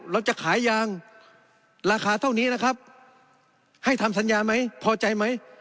เราจะขายยางราคาเท่านี้นะครับให้ทำสัญญาไหมพอใจไหม